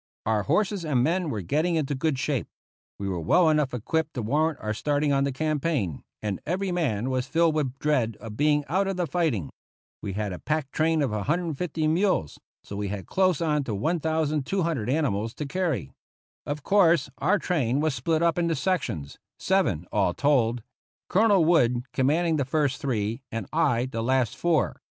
Our horses and men were getting into good shape. We were well enough equipped to warrant our starting on the campaign, and every man was filled with dread of being out of the fighting. We had a pack train of 150 mules, so we had close on to 1,200 animals to carry. Of course, our train was split up into sections, seven, all told ; Colonel Wood commanding the 46 TO CUBA first three, and I the last four.